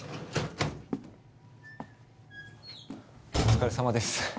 ・お疲れさまです。